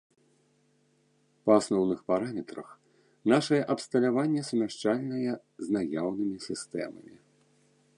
Па асноўных параметрах нашае абсталяванне сумяшчальнае з наяўнымі сістэмамі.